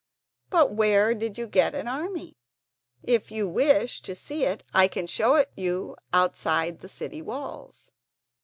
"But where did you get your army?" "If you wish to see it, I can show it you outside the city walls."